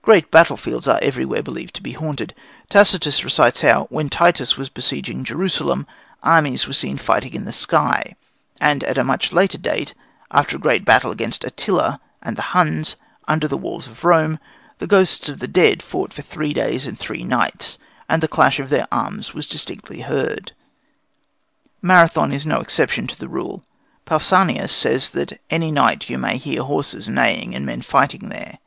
Great battlefields are everywhere believed to be haunted. Tacitus relates how, when Titus was besieging Jerusalem, armies were seen fighting in the sky; and at a much later date, after a great battle against Attila and the Huns, under the walls of Rome, the ghosts of the dead fought for three days and three nights, and the clash of their arms was distinctly heard. Marathon is no exception to the rule. Pausanias says that any night you may hear horses neighing and men fighting there.